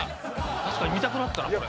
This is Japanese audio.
確かに見たくなったなこれ。